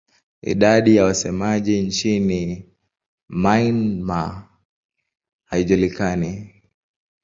Idadi ya wasemaji nchini Myanmar haijulikani.